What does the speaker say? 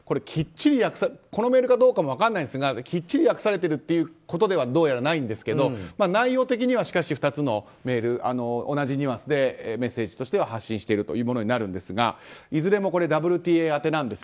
このメールかどうかも分からないんですがきっちり訳されているということではどうやらないんですが内容的にはしかし、２つのメール同じニュアンスでメッセージとしては発信しているというものになるんですがいずれもＷＴＡ宛てなんです。